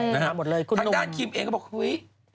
ทางด้านคิมเองก็บอกเฮ้ย